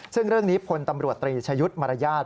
ซึ่งเรื่องนี้พลตำรวจตรีชะยุทธ์มารยาท